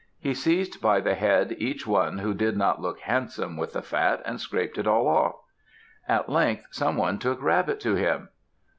He seized by the head each one who did not look handsome with the fat, and scraped it all off. At length someone took Rabbit to him.